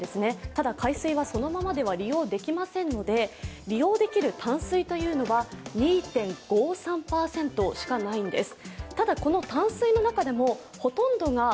ただ、海水はそのままでは利用できませんので利用できる淡水というのは２．５３％しかないんです。